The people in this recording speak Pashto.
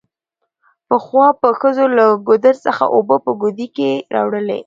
پخوا به ښځو له ګودر څخه اوبه په ګوډي کې راوړلې